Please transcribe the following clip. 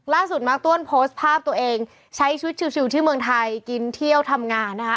มาร์คต้วนโพสต์ภาพตัวเองใช้ชุดชิลที่เมืองไทยกินเที่ยวทำงานนะคะ